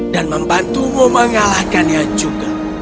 dan membantumu mengalahkannya juga